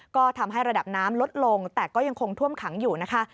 ก็ทำให้ระดับน้ำลดลงแต่ก็ยังคงท่วมขังอยู่นะคะ